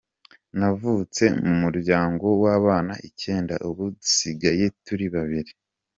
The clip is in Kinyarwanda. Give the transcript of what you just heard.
Navutse mu muryango w’abana icyenda, ubu dusigaye turi babiri.